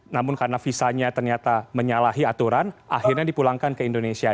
namun karena visanya ternyata menyalahi aturan akhirnya dipulangkan ke indonesia